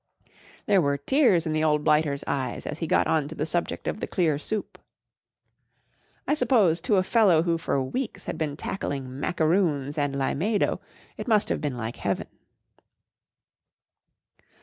There were tears in the old blighter's eyes as he got on the subject of the clear soup. I suppose to a fellow who for weeks had been tackling macaroons and limado it must have been like Heaven.